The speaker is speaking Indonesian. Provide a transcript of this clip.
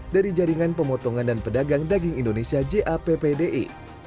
dari jaringan pemotongan dan pedagang daging indonesia jappdi